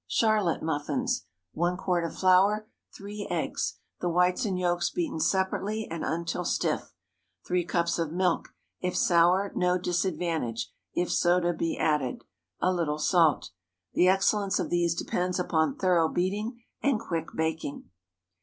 CHARLOTTE MUFFINS. ✠ 1 quart of flour. 3 eggs—the whites and yolks beaten separately and until stiff. 3 cups of milk. If sour, no disadvantage, if soda be added. A little salt. The excellence of these depends upon thorough beating and quick baking.